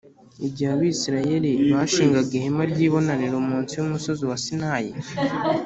Igihe abisirayeli bashingaga ihema ry ibonaniro munsi y umusozi wa sinayi